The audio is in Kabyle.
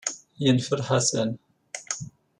Yenfel Ḥasan.